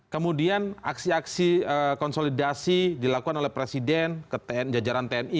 kemudian aksi aksi konsolidasi dilakukan oleh presiden ke jajaran tni